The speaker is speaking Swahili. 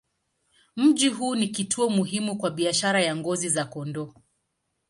Mji huu ni kituo muhimu kwa biashara ya ngozi za kondoo.